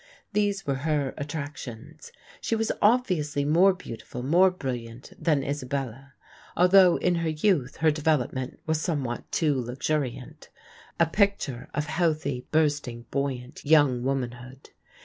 These were her attractions. She was obviously more beautiful, more brilliant, than Isabella, although in her youth her development was somewhat too luxuriant, a picture of healthy, bursting, buoyant young womanhood.